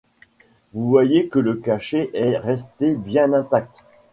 Vous voyez que le cachet en est resté bien intact ?